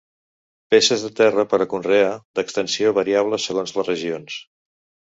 Peces de terra per a conrear, d'extensió variable segons les regions.